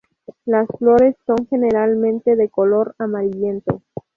Las flores son generalmente de color amarillento.